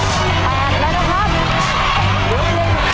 จบแล้วอีก๒ห่อสุดท้าย